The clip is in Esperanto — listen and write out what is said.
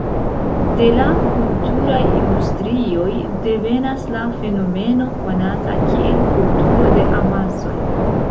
De la kulturaj industrioj devenas la fenomeno konata kiel "kulturo de amasoj".